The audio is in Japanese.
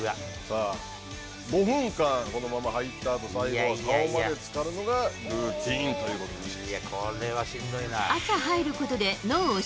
５分間このまま入ったあと、最後は顔までつかるのがルーティンということでした。